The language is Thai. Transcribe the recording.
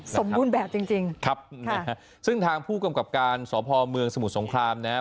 สมบูรณ์แบบจริงจริงครับนะฮะซึ่งทางผู้กำกับการสพเมืองสมุทรสงครามนะครับ